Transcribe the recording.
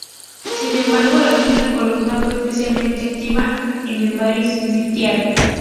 Sin embargo, la quinta columna fue especialmente activa en el Madrid sitiado.